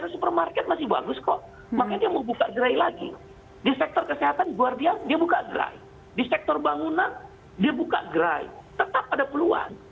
karena supermarket masih bagus kok makanya mau buka gerai lagi di sektor kesehatan luar biasa dia buka gerai di sektor bangunan dia buka gerai tetap ada peluan